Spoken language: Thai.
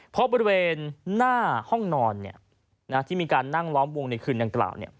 เพราะบริเวณหน้าห้องนอนที่มีการนั่งล้อมวงในคืนดังกล่าว